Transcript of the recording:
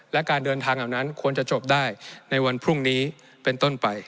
และการเดินทางเหล่านั้นควรจะจบได้ในวันพรุ่งนี้เป็นต้นไป